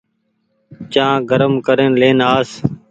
چآن گرم ڪرين لين آس